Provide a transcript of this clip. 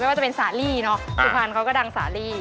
ว่าจะเป็นสาลีเนาะสุพรรณเขาก็ดังสาลี